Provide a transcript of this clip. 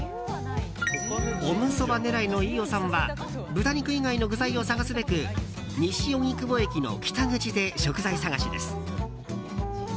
オムそば狙いの飯尾さんは豚肉以外の具材を探すべく西荻窪駅の北口で食材探しです。